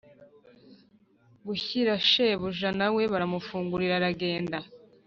gushyira shebuja, na we baramufungurira aragenda.